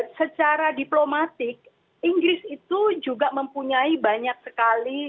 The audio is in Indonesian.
dan dan secara diplomatik inggris itu juga mempunyai hubungan yang baik ya sebagai negara